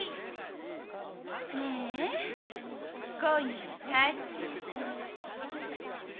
ねえ今夜は帰さないから。